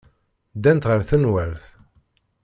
Ddant ɣer tenwalt.